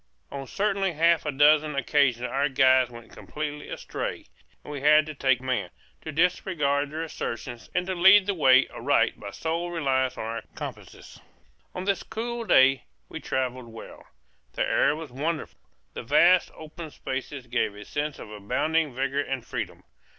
On certainly half a dozen occasions our guides went completely astray, and we had to take command, to disregard their assertions, and to lead the way aright by sole reliance on our compasses. On this cool day we travelled well. The air was wonderful; the vast open spaces gave a sense of abounding vigor and freedom.